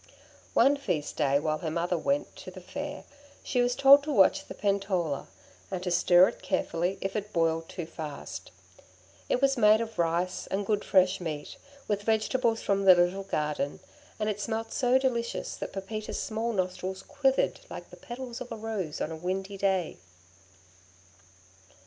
One feast day, while her mother went to the fair, she was told to watch the pentola, and to stir it carefully if it boiled too fast. It was made of rice and good fresh meat, with vegetables from the little garden; and it smelt so delicious that Pepita's small nostrils quivered like the petals of a rose on a windy day.